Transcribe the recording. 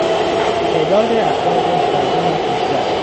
تعداد افراد شاغل کشور